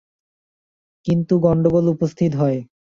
কিন্তু আমিই কেবল বুঝি, অন্যে বুঝে না, ইহাতেই যত গণ্ডগোল উপস্থিত হয়।